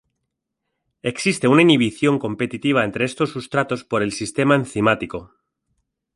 Existe una inhibición competitiva entre estos sustratos por el sistema enzimático.